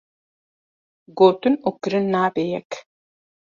Gotin û kirin nabe yek.